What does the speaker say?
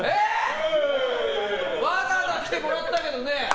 わざわざ来てもらったけどね